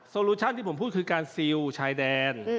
โลชั่นที่ผมพูดคือการซิลชายแดน